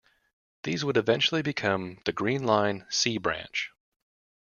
These would eventually become the Green Line "C" Branch.